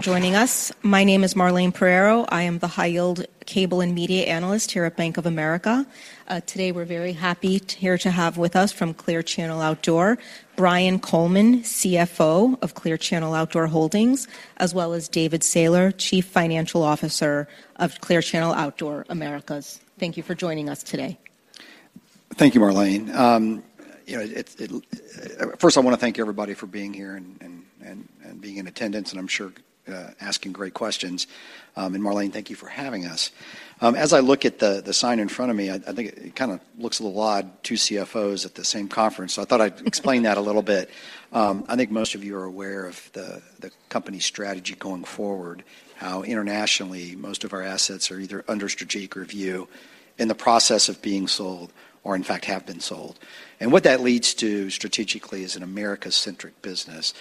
joining us. My name is Marlene Puffer. I am the high yield cable and media analyst here at Bank of America. Today, we're very happy here to have with us from Clear Channel Outdoor, Brian Coleman, CFO of Clear Channel Outdoor Holdings, as well as David Sailer, Chief Financial Officer of Clear Channel Outdoor Americas. Thank you for joining us today. Thank you, Marlene. You know, first, I want to thank everybody for being here and being in attendance, and I'm sure asking great questions. And Marlene, thank you for having us. As I look at the sign in front of me, I think it kind of looks a little odd, two CFOs at the same conference, so I thought I'd explain that a little bit. I think most of you are aware of the company's strategy going forward, how internationally, most of our assets are either under strategic review, in the process of being sold, or in fact, have been sold. And what that leads to strategically is an Americas-centric business.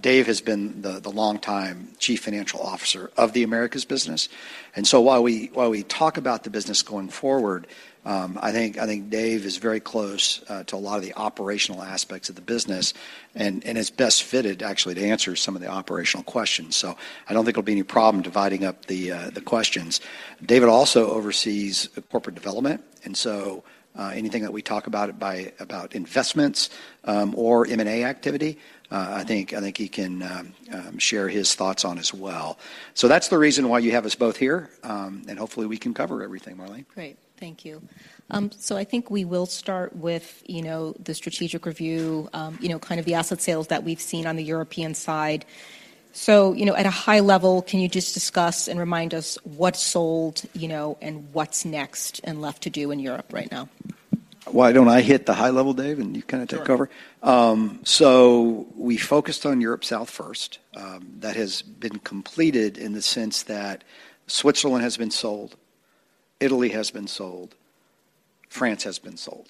Dave has been the longtime Chief Financial Officer of the Americas business. And so while we talk about the business going forward, I think Dave is very close to a lot of the operational aspects of the business and is best fitted, actually, to answer some of the operational questions. So I don't think there'll be any problem dividing up the questions. David also oversees corporate development, and so anything that we talk about about investments or M&A activity, I think he can share his thoughts on as well. So that's the reason why you have us both here, and hopefully, we can cover everything, Marlene. Great. Thank you. So I think we will start with, you know, the strategic review, you know, kind of the asset sales that we've seen on the European side. So, you know, at a high level, can you just discuss and remind us what's sold, you know, and what's next and left to do in Europe right now? Why don't I hit the high level, Dave, and you kind of take over? Sure. So we focused on Europe South first. That has been completed in the sense that Switzerland has been sold, Italy has been sold, France has been sold.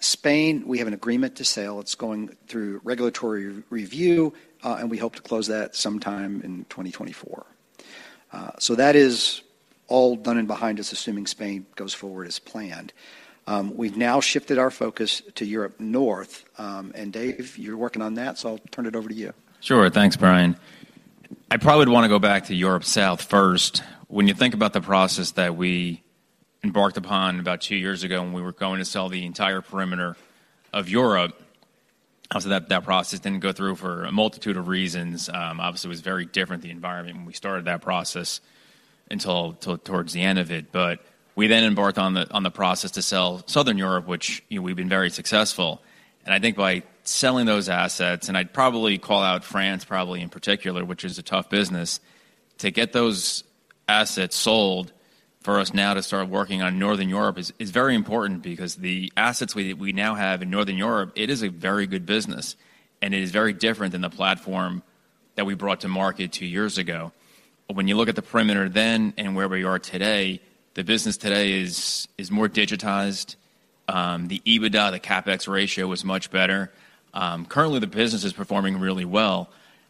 Spain, we have an agreement to sell. It's going through regulatory review, and we hope to close that sometime in 2024. So that is all done and behind us, assuming Spain goes forward as planned. We've now shifted our focus to Europe North. And Dave, you're working on that, so I'll turn it over to you. Sure. Thanks, Brian. I probably would want to go back to Europe South first. When you think about the process that we embarked upon about two years ago, when we were going to sell the entire perimeter of Europe, obviously, that process didn't go through for a multitude of reasons. Obviously, it was very different, the environment, when we started that process until towards the end of it. But we then embarked on the process to sell Southern Europe, which, you know, we've been very successful. I think by selling those assets, and I'd probably call out France, probably in particular, which is a tough business, to get those assets sold, for us now to start working on Northern Europe is very important because the assets we now have in Northern Europe, it is a very good business, and it is very different than the platform that we brought to market two years ago. When you look at the perimeter then and where we are today, the business today is more digitized. The EBITDA, the CapEx ratio is much better. Currently, the business is performing really well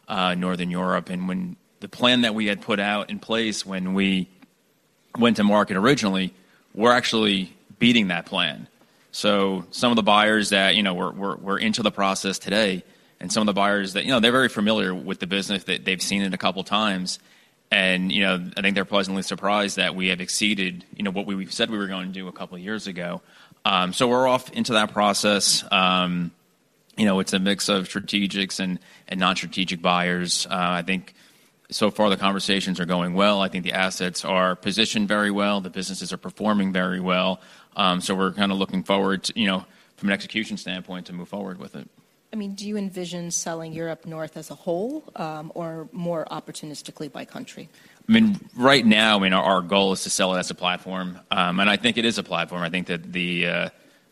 in Northern Europe. And when the plan that we had put out in place when we went to market originally, we're actually beating that plan. So some of the buyers that, you know, we're into the process today, and some of the buyers that, you know, they're very familiar with the business, that they've seen it a couple of times. And, you know, I think they're pleasantly surprised that we have exceeded, you know, what we said we were going to do a couple of years ago. So we're off into that process. You know, it's a mix of strategics and non-strategic buyers. I think so far, the conversations are going well. I think the assets are positioned very well. The businesses are performing very well. So we're kind of looking forward to, you know, from an execution standpoint, to move forward with it. I mean, do you envision selling Europe North as a whole, or more opportunistically by country? I mean, right now, our goal is to sell it as a platform. And I think it is a platform. I think that the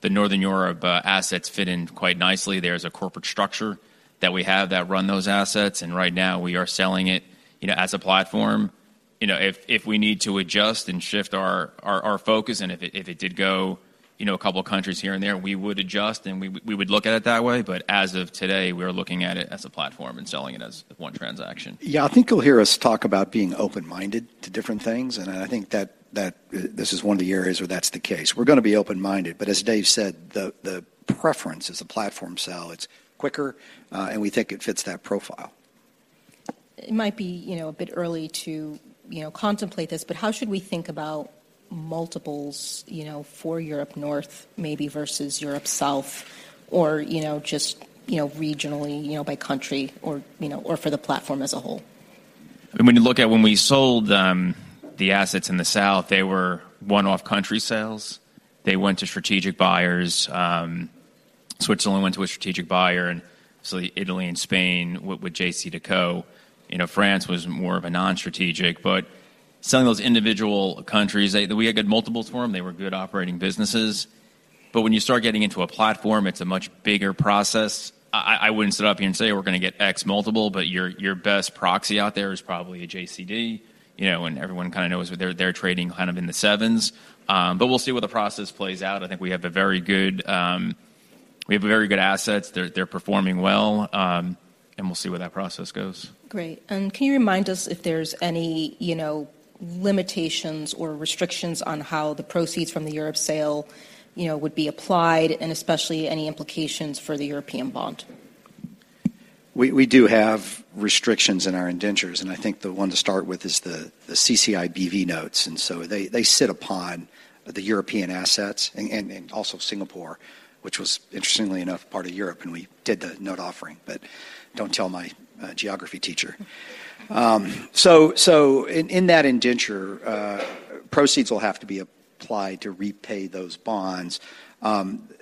Northern Europe assets fit in quite nicely. There's a corporate structure that we have that run those assets, and right now we are selling it, you know, as a platform. You know, if we need to adjust and shift our focus, and if it did go, you know, a couple of countries here and there, we would adjust, and we would look at it that way. But as of today, we are looking at it as a platform and selling it as one transaction. Yeah, I think you'll hear us talk about being open-minded to different things, and I think that this is one of the areas where that's the case. We're going to be open-minded, but as Dave said, the preference is a platform sell. It's quicker, and we think it fits that profile. It might be, you know, a bit early to, you know, contemplate this, but how should we think about multiples, you know, for Europe North, maybe versus Europe South, or, you know, just, you know, regionally, you know, by country or, you know, or for the platform as a whole? I mean, when you look at when we sold the assets in the South, they were one-off country sales. They went to strategic buyers. Switzerland went to a strategic buyer, and so Italy and Spain with JCDecaux. You know, France was more of a non-strategic. But selling those individual countries, they. We had good multiples for them. They were good operating businesses. But when you start getting into a platform, it's a much bigger process. I wouldn't sit up here and say we're gonna get X multiple, but your best proxy out there is probably a JCD, you know, and everyone kind of knows that they're trading kind of in the sevens. But we'll see what the process plays out. I think we have a very good. We have very good assets. They're performing well, and we'll see where that process goes. Great. And can you remind us if there's any, you know, limitations or restrictions on how the proceeds from the Europe sale, you know, would be applied, and especially any implications for the European bond?... We do have restrictions in our indentures, and I think the one to start with is the CCIBV notes, and so they sit upon the European assets and also Singapore, which was, interestingly enough, part of Europe, and we did the note offering, but don't tell my geography teacher. So in that indenture, proceeds will have to be applied to repay those bonds.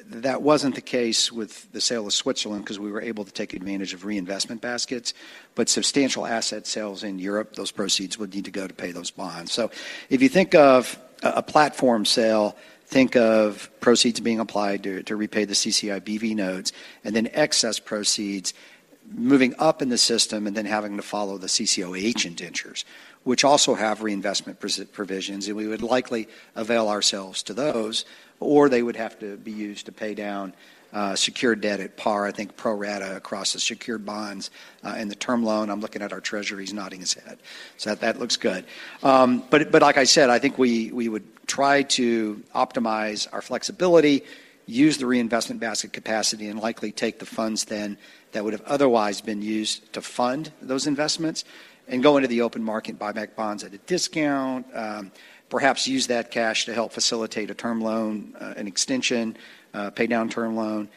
That wasn't the case with the sale of Switzerland 'cause we were able to take advantage of reinvestment baskets. But substantial asset sales in Europe, those proceeds would need to go to pay those bonds. So if you think of a platform sale, think of proceeds being applied to repay the CCIBV notes, and then excess proceeds moving up in the system and then having to follow the CCOH indentures, which also have reinvestment provisions, and we would likely avail ourselves to those, or they would have to be used to pay down secured debt at par, I think, pro rata across the secured bonds and the term loan. I'm looking at our treasury. He's nodding his head. So that looks good. But, like I said, I think we would try to optimize our flexibility, use the reinvestment basket capacity, and likely take the funds then that would have otherwise been used to fund those investments and go into the open market and buy back bonds at a discount, perhaps use that cash to help facilitate a term loan extension, pay down term loan,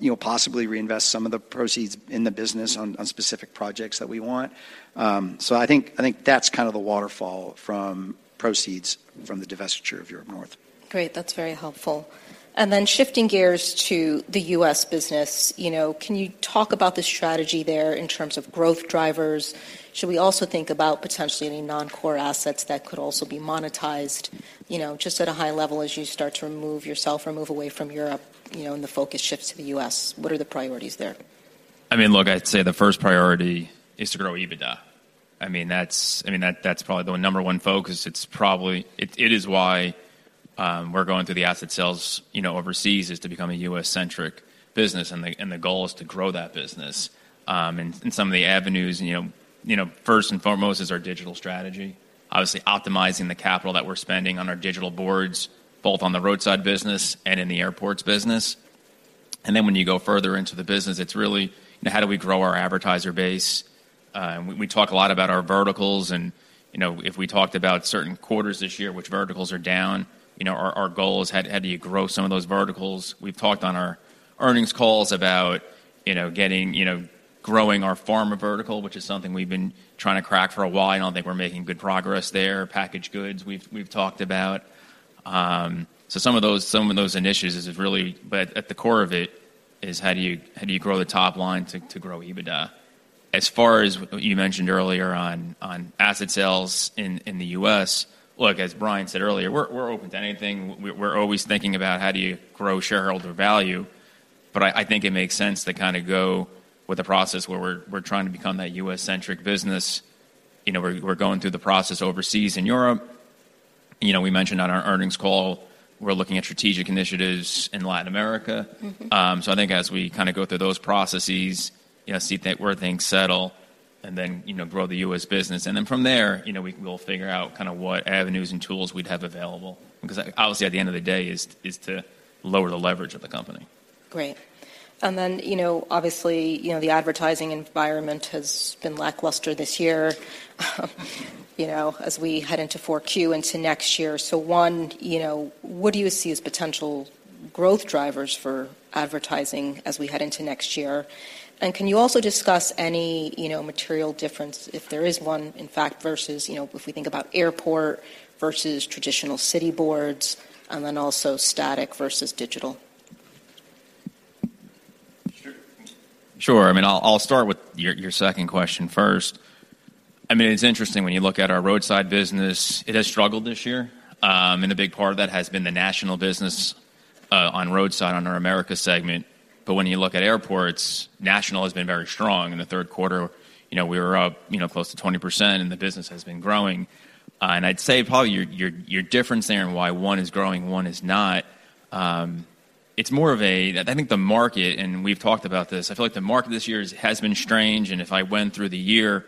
you know, possibly reinvest some of the proceeds in the business on specific projects that we want. So I think that's kind of the waterfall from proceeds from the divestiture of Europe North. Great, that's very helpful. And then shifting gears to the U.S. business, you know, can you talk about the strategy there in terms of growth drivers? Should we also think about potentially any non-core assets that could also be monetized, you know, just at a high level as you start to remove yourself or move away from Europe, you know, and the focus shifts to the U.S.? What are the priorities there? I mean, look, I'd say the first priority is to grow EBITDA. I mean, that's probably the number one focus. It's probably... It is why we're going through the asset sales, you know, overseas, is to become a US-centric business, and the goal is to grow that business. And some of the avenues, you know, first and foremost, is our digital strategy. Obviously, optimizing the capital that we're spending on our digital boards, both on the roadside business and in the airports business. And then when you go further into the business, it's really, you know, how do we grow our advertiser base? And we talk a lot about our verticals, and, you know, if we talked about certain quarters this year, which verticals are down, you know, our goal is how do you grow some of those verticals? We've talked on our earnings calls about, you know, getting, you know, growing our pharma vertical, which is something we've been trying to crack for a while, and I think we're making good progress there. Packaged goods, we've talked about. So some of those initiatives is really, but at the core of it, is how do you grow the top line to grow EBITDA? As far as what you mentioned earlier on asset sales in the U.S., look, as Brian said earlier, we're open to anything. We're always thinking about how do you grow shareholder value, but I think it makes sense to kind of go with the process where we're trying to become that U.S.-centric business. You know, we're going through the process overseas in Europe. You know, we mentioned on our earnings call, we're looking at strategic initiatives in Latin America. Mm-hmm. So, I think as we kind of go through those processes, you know, see where things settle, and then, you know, we'll figure out kind of what avenues and tools we'd have available, because obviously, at the end of the day, it is to lower the leverage of the company. Great. And then, you know, obviously, you know, the advertising environment has been lackluster this year, you know, as we head into 4Q into next year. So, one, you know, what do you see as potential growth drivers for advertising as we head into next year? And can you also discuss any, you know, material difference, if there is one, in fact, versus, you know, if we think about airport versus traditional city boards, and then also static versus digital? Sure. Sure, I mean, I'll, I'll start with your, your second question first. I mean, it's interesting when you look at our roadside business. It has struggled this year, and a big part of that has been the national business on roadside on our America segment. But when you look at airports, national has been very strong. In the third quarter, you know, we were up, you know, close to 20%, and the business has been growing. And I'd say probably your difference there in why one is growing and one is not. It's more of a—I think the market, and we've talked about this, I feel like the market this year has been strange, and if I went through the year,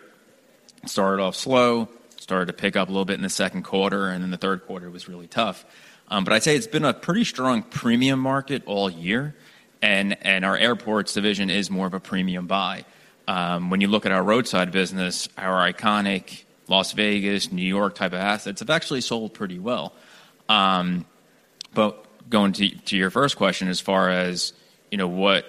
started off slow, started to pick up a little bit in the second quarter, and then the third quarter was really tough. But I'd say it's been a pretty strong premium market all year, and our airports division is more of a premium buy. When you look at our roadside business, our iconic Las Vegas, New York type of assets have actually sold pretty well. But going to your first question, as far as, you know, what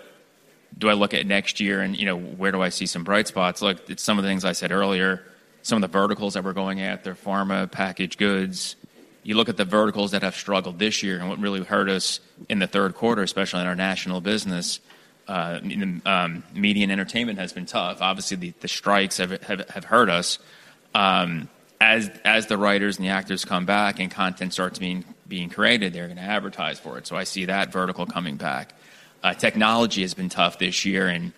do I look at next year and, you know, where do I see some bright spots? Look, it's some of the things I said earlier, some of the verticals that we're going at, they're pharma, packaged goods. You look at the verticals that have struggled this year and what really hurt us in the third quarter, especially in our national business, media and entertainment has been tough. Obviously, the strikes have hurt us. As the writers and the actors come back and content starts being created, they're going to advertise for it, so I see that vertical coming back. Technology has been tough this year, and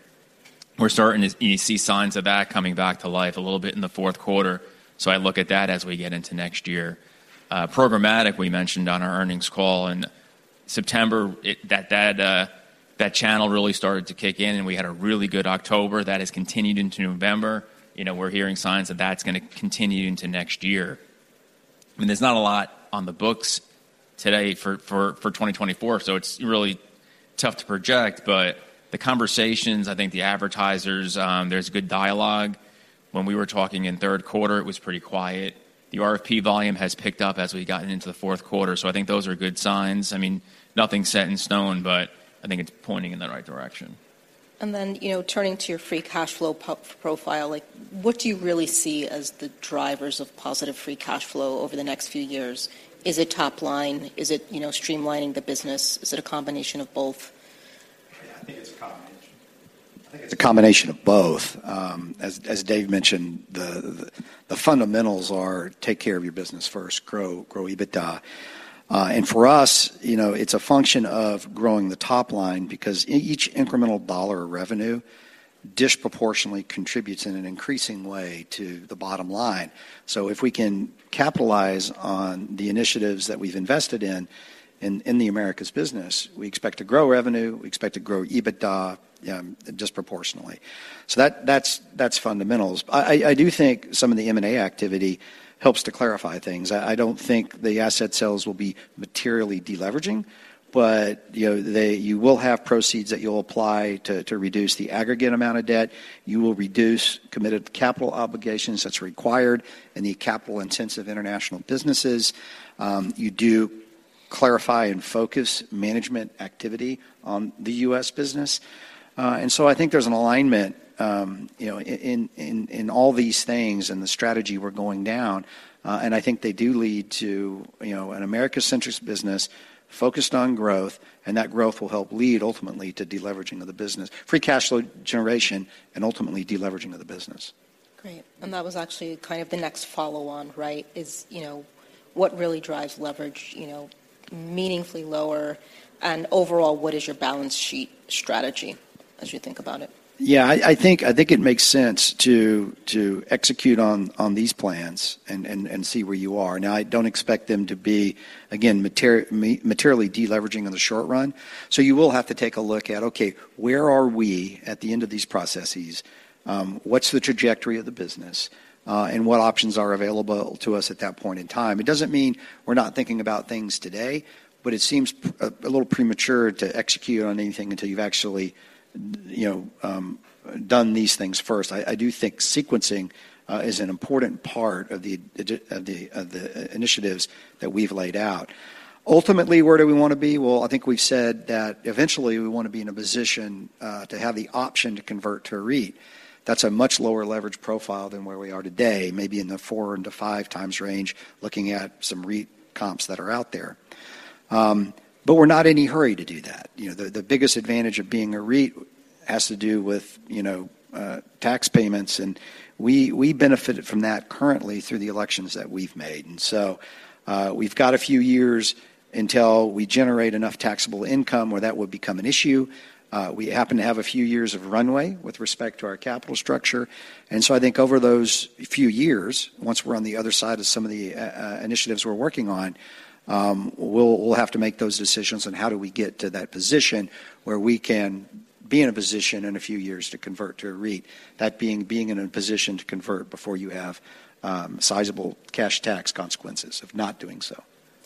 we're starting to, you know, see signs of that coming back to life a little bit in the fourth quarter, so I look at that as we get into next year. Programmatic, we mentioned on our earnings call, in September, that channel really started to kick in, and we had a really good October. That has continued into November. You know, we're hearing signs that that's gonna continue into next year. I mean, there's not a lot on the books today for 2024, so it's really tough to project. But the conversations, I think the advertisers, there's good dialogue. When we were talking in third quarter, it was pretty quiet. The RFP volume has picked up as we've gotten into the fourth quarter, so I think those are good signs. I mean, nothing's set in stone, but I think it's pointing in the right direction. And then, you know, turning to your free cash flow profile, like, what do you really see as the drivers of positive free cash flow over the next few years? Is it top line? Is it, you know, streamlining the business? Is it a combination of both? Yeah, I think it's a combination. I think it's a combination of both. As Dave mentioned, the fundamentals are take care of your business first, grow EBITDA. And for us, you know, it's a function of growing the top line, because each incremental dollar of revenue disproportionately contributes in an increasing way to the bottom line. So if we can capitalize on the initiatives that we've invested in the Americas business, we expect to grow revenue, we expect to grow EBITDA, disproportionately. So that's fundamentals. I do think some of the M&A activity helps to clarify things. I don't think the asset sales will be materially deleveraging, but, you know, they will have proceeds that you'll apply to reduce the aggregate amount of debt. You will reduce committed capital obligations that's required in the capital-intensive international businesses. You do clarify and focus management activity on the U.S. business. And so I think there's an alignment, you know, in all these things and the strategy we're going down, and I think they do lead to, you know, an America-centric business focused on growth, and that growth will help lead ultimately to deleveraging of the business. Free cash flow generation, and ultimately, deleveraging of the business. Great. And that was actually kind of the next follow-on, right? Is, you know, what really drives leverage, you know, meaningfully lower, and overall, what is your balance sheet strategy as you think about it? Yeah, I think it makes sense to execute on these plans and see where you are. Now, I don't expect them to be, again, materially deleveraging in the short run. So you will have to take a look at, okay, where are we at the end of these processes? What's the trajectory of the business, and what options are available to us at that point in time? It doesn't mean we're not thinking about things today, but it seems a little premature to execute on anything until you've actually, you know, done these things first. I do think sequencing is an important part of the initiatives that we've laid out. Ultimately, where do we want to be? Well, I think we've said that eventually, we want to be in a position to have the option to convert to a REIT. That's a much lower leverage profile than where we are today, maybe in the 4-5 times range, looking at some REIT comps that are out there. But we're not in any hurry to do that. You know, the biggest advantage of being a REIT has to do with, you know, tax payments, and we benefit from that currently through the elections that we've made. And so, we've got a few years until we generate enough taxable income where that would become an issue. We happen to have a few years of runway with respect to our capital structure. And so I think over those few years, once we're on the other side of some of the initiatives we're working on, we'll have to make those decisions on how do we get to that position where we can be in a position in a few years to convert to a REIT, that being in a position to convert before you have sizable cash tax consequences of not doing so.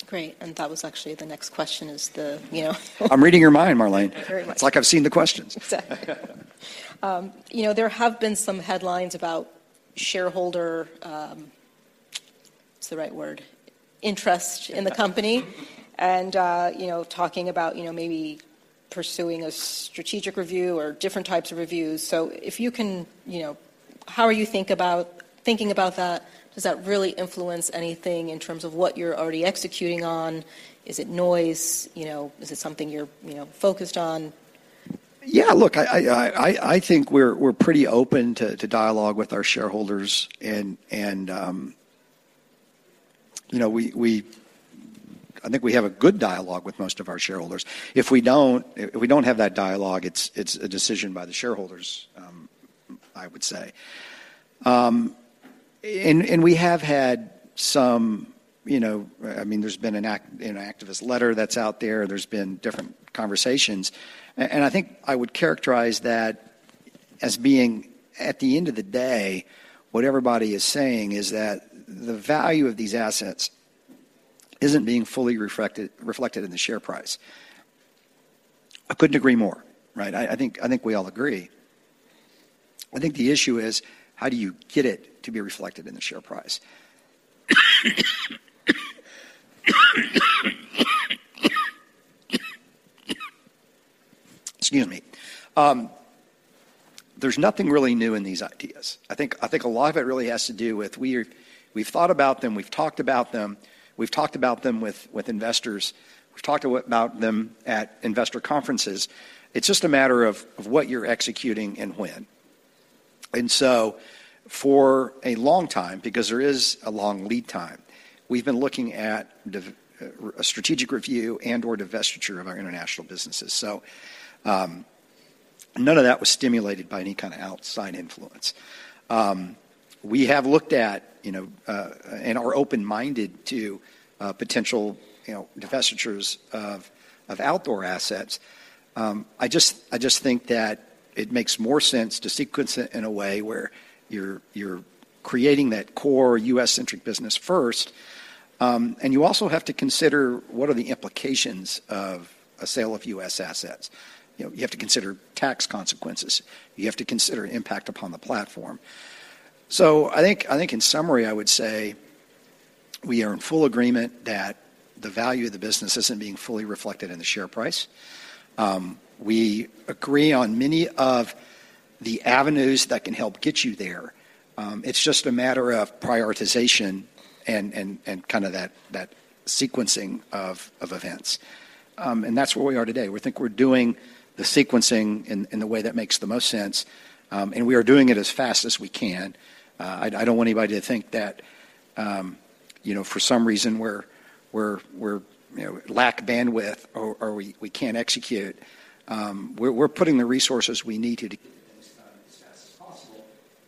Great, and that was actually the next question, is the, you know, - I'm reading your mind, Marlene. Very much. It's like I've seen the questions. Exactly. You know, there have been some headlines about shareholder... What's the right word? Interest- Interest In the company, and you know, talking about, you know, maybe pursuing a strategic review or different types of reviews. So if you can, you know, how are you thinking about that? Does that really influence anything in terms of what you're already executing on? Is it noise? You know, is it something you're, you know, focused on? Yeah, look, I think we're pretty open to dialogue with our shareholders, and you know, I think we have a good dialogue with most of our shareholders. If we don't have that dialogue, it's a decision by the shareholders, I would say. And we have had some, you know. I mean, there's been an activist letter that's out there, there's been different conversations, and I think I would characterize that as being, at the end of the day, what everybody is saying is that the value of these assets isn't being fully reflected in the share price. I couldn't agree more, right? I think we all agree. I think the issue is: how do you get it to be reflected in the share price? Excuse me. There's nothing really new in these ideas. I think a lot of it really has to do with we've thought about them, we've talked about them with investors, we've talked about them at investor conferences. It's just a matter of what you're executing and when. And so for a long time, because there is a long lead time, we've been looking at a strategic review and/or divestiture of our international businesses. So, none of that was stimulated by any kind of outside influence. We have looked at, you know, and are open-minded to potential, you know, divestitures of outdoor assets. I just think that it makes more sense to sequence it in a way where you're creating that core U.S.-centric business first. And you also have to consider what are the implications of a sale of U.S. assets. You know, you have to consider tax consequences. You have to consider impact upon the platform. So I think in summary, I would say we are in full agreement that the value of the business isn't being fully reflected in the share price. We agree on many of the avenues that can help get you there. It's just a matter of prioritization and kind of that sequencing of events. And that's where we are today. We think we're doing the sequencing in a way that makes the most sense, and we are doing it as fast as we can. I don't want anybody to think that, you know, for some reason, we lack bandwidth or we can't execute. We're putting the resources we need to get as fast as possible.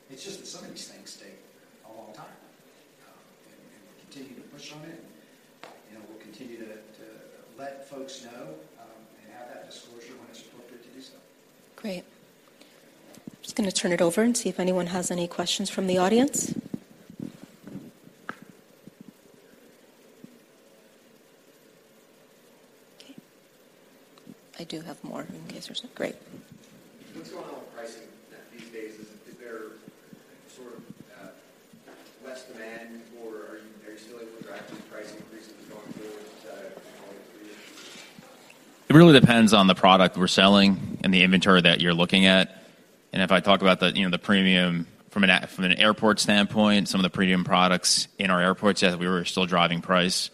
It's just that some of these things take a long time, and we're continuing to push on it, and, you know, we'll continue to let folks know, and have that disclosure when it's appropriate to do so. Great. Just gonna turn it over and see if anyone has any questions from the audience. Okay. I do have more in case there's... Great. What's going on with pricing these days? Is there sort of, less demand, or are you, are you still able to drive price increases going forward? It really depends on the product we're selling and the inventory that you're looking at. If I talk about the, you know, the premium from an airport standpoint, some of the premium products in our airports, yeah, we were still driving price.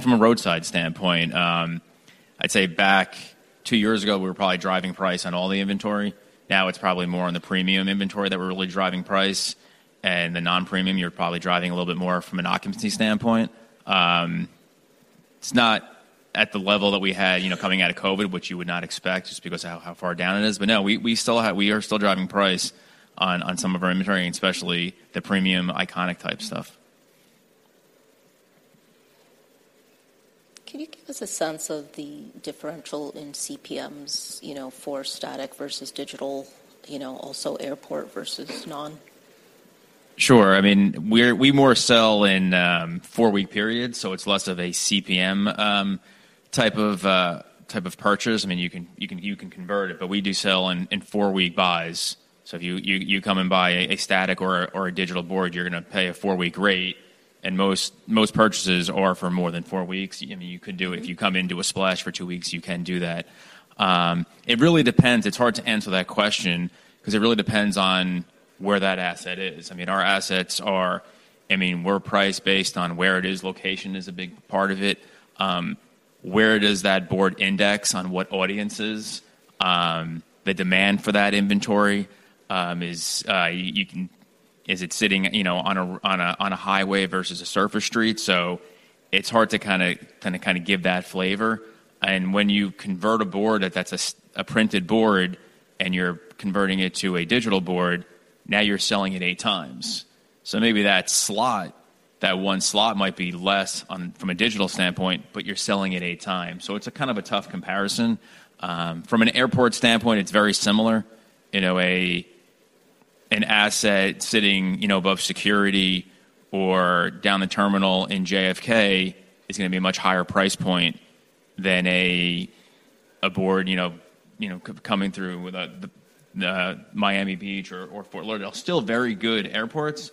From a roadside standpoint, I'd say back 2 years ago, we were probably driving price on all the inventory. Now it's probably more on the premium inventory that we're really driving price, and the non-premium, you're probably driving a little bit more from an occupancy standpoint. It's not at the level that we had, you know, coming out of COVID, which you would not expect, just because of how far down it is. But no, we still have. We are still driving price on some of our inventory, and especially the premium, iconic-type stuff. Can you give us a sense of the differential in CPMs, you know, for static versus digital, you know, also airport versus non? Sure. I mean, we're we more sell in four-week periods, so it's less of a CPM type of purchase. I mean, you can convert it, but we do sell in four-week buys. So if you come and buy a static or a digital board, you're gonna pay a four-week rate, and most purchases are for more than four weeks. I mean, you could do it if you come into a splash for two weeks, you can do that. It really depends. It's hard to answer that question 'cause it really depends on where that asset is. I mean, our assets are. I mean, we're priced based on where it is. Location is a big part of it. Where does that board index on what audiences? The demand for that inventory, is it sitting, you know, on a highway versus a surface street? So it's hard to kinda give that flavor. And when you convert a board that's a printed board, and you're converting it to a digital board, now you're selling it eight times. So maybe that slot, that one slot, might be less on from a digital standpoint, but you're selling it eight times. So it's a kind of a tough comparison. From an airport standpoint, it's very similar. You know, an asset sitting, you know, above security or down the terminal in JFK is gonna be a much higher price point than a board, you know, you know, coming through with the Miami Beach or Fort Lauderdale. Still very good airports,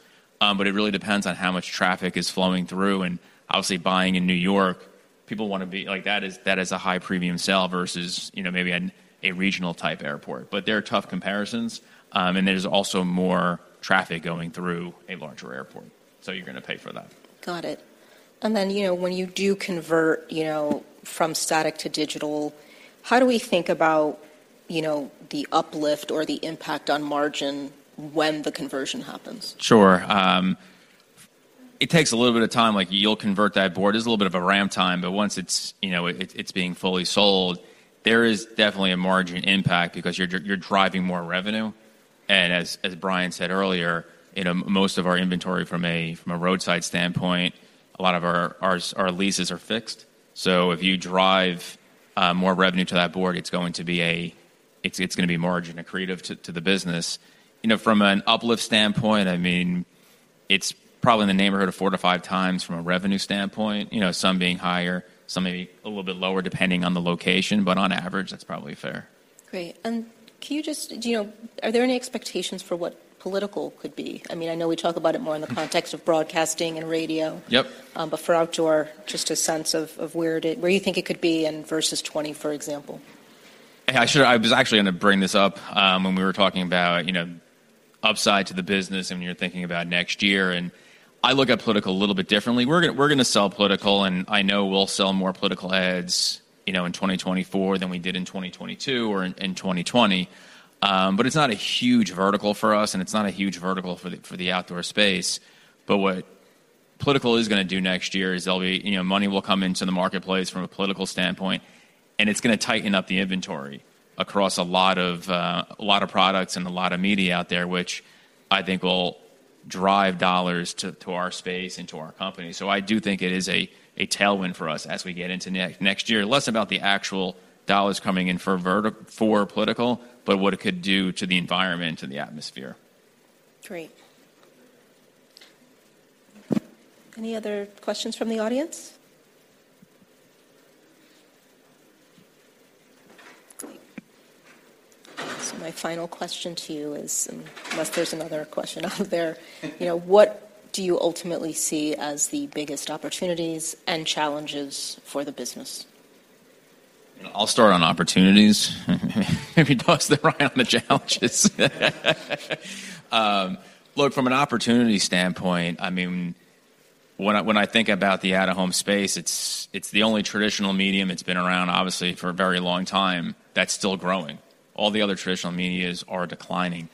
but it really depends on how much traffic is flowing through. And obviously, buying in New York, people wanna be, like, that is, that is a high premium sell versus, you know, maybe a regional type airport. But they're tough comparisons, and there's also more traffic going through a larger airport, so you're gonna pay for that. Got it. And then, you know, when you do convert, you know, from static to digital, how do we think about, you know, the uplift or the impact on margin when the conversion happens? Sure. It takes a little bit of time. Like, you'll convert that board. There's a little bit of a ramp time, but once it's, you know, it, it's being fully sold, there is definitely a margin impact because you're driving more revenue. And as Brian said earlier, you know, most of our inventory from a roadside standpoint, a lot of our leases are fixed. So if you drive more revenue to that board, it's going to be a... It's, it's gonna be margin accretive to the business. You know, from an uplift standpoint, I mean, it's probably in the neighborhood of 4-5 times from a revenue standpoint. You know, some being higher, some maybe a little bit lower, depending on the location, but on average, that's probably fair. Great. Can you just... Do you know, are there any expectations for what political could be? I mean, I know we talk about it more in the context of broadcasting and radio. Yep. But for outdoor, just a sense of where you think it could be in versus 2020, for example? I was actually gonna bring this up, when we were talking about, you know, upside to the business and when you're thinking about next year, and I look at political a little bit differently. We're gonna sell political, and I know we'll sell more political ads, you know, in 2024 than we did in 2022 or in 2020. But it's not a huge vertical for us, and it's not a huge vertical for the outdoor space. But what political is gonna do next year is there'll be, you know, money will come into the marketplace from a political standpoint, and it's gonna tighten up the inventory across a lot of products and a lot of media out there, which I think will drive dollars to our space and to our company. So I do think it is a tailwind for us as we get into next year. Less about the actual dollars coming in for political, but what it could do to the environment and the atmosphere. Great. Any other questions from the audience? Great. So my final question to you is, unless there's another question out there, you know, what do you ultimately see as the biggest opportunities and challenges for the business? I'll start on opportunities, maybe pass to Brian on the challenges. Look, from an opportunity standpoint, I mean, when I think about the out-of-home space, it's the only traditional medium that's been around, obviously, for a very long time, that's still growing. All the other traditional media are declining.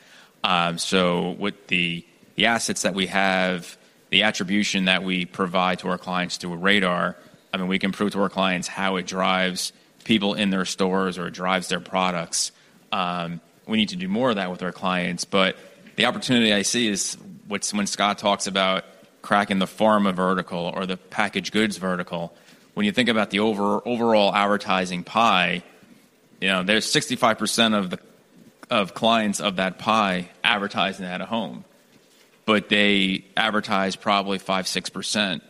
So with the assets that we have, the attribution that we provide to our clients through RADAR, I mean, we can prove to our clients how it drives people in their stores or it drives their products. We need to do more of that with our clients, but the opportunity I see is what's—when Scott talks about cracking the pharma vertical or the packaged goods vertical, when you think about the overall advertising pie, you know, there's 65% of the clients of that pie advertising out-of-home, but they advertise probably 5-6%.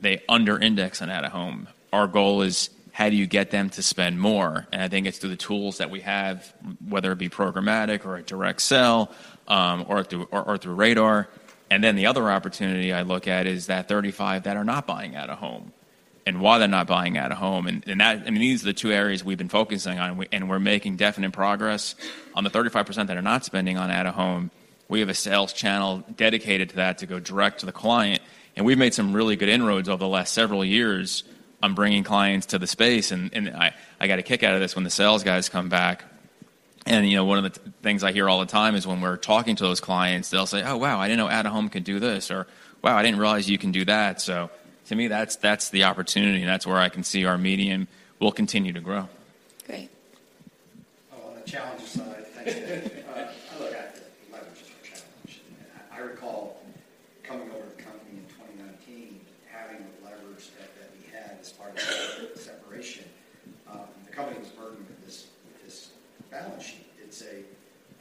They under-index on out-of-home. Our goal is: how do you get them to spend more? And I think it's through the tools that we have, whether it be programmatic or a direct sell, or through, or through RADAR. And then the other opportunity I look at is that 35 that are not buying out-of-home, and why they're not buying out-of-home. And that—and these are the two areas we've been focusing on, and we, and we're making definite progress. On the 35% that are not spending on out-of-home, we have a sales channel dedicated to that to go direct to the client, and we've made some really good inroads over the last several years on bringing clients to the space. And I got a kick out of this when the sales guys come back, and, you know, one of the things I hear all the time is when we're talking to those clients, they'll say, "Oh, wow, I didn't know out-of-home could do this," or, "Wow, I didn't realize you can do that." So to me, that's, that's the opportunity, and that's where I can see our medium will continue to grow. Great. Oh, on the challenge side, I think, look, leverage is a challenge. I recall coming over to the company in 2019, having the leverage that we had as part of the separation. The company was burdened with this balance sheet. It's a...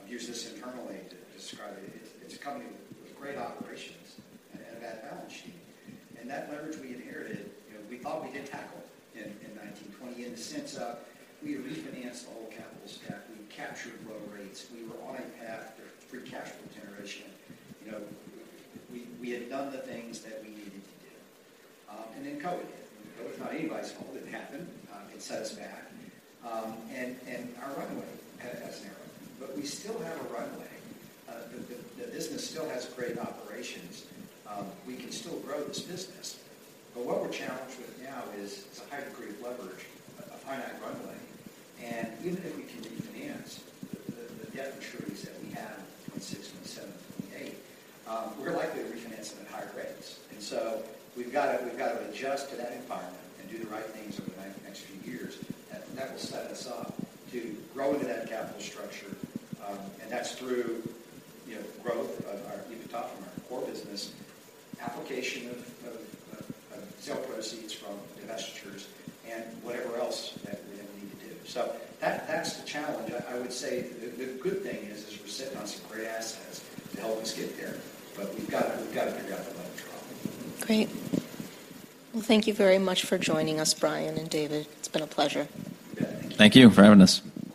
I've used this internally to describe it. It's a company with great operations and a bad balance sheet. And that leverage we inherited, you know, we thought we had tackled in 2020. And since, we refinanced the whole capital stack, we captured low rates. We were on a path to free cash flow generation. You know, we had done the things that we needed to do. And then COVID hit. It was not anybody's fault. It happened. It set us back, and our runway has narrowed. But we still have a runway. The business still has great operations. We can still grow this business, but what we're challenged with now is it's a high degree of leverage, a finite runway. And even if we can refinance the debt maturities that we have in 2026, 2027, 2028, we're likely to refinance it at higher rates. And so we've gotta, we've gotta adjust to that environment and do the right things over the next few years, and that will set us up to grow into that capital structure. And that's through, you know, growth of our at the top, from our core business, application of sale proceeds from divestitures, and whatever else that we're gonna need to do. So that's the challenge. I would say the good thing is we're sitting on some great assets to help us get there, but we've gotta figure out the leverage problem. Great. Well, thank you very much for joining us, Brian and David. It's been a pleasure. Okay. Thank you for having us.